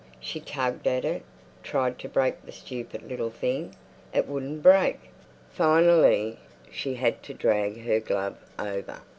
She tugged at it—tried to break the stupid little thing—it wouldn't break. Finally, she had to drag her glove over.